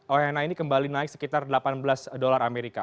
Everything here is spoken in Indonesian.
onh ini kembali naik sekitar rp delapan belas amerika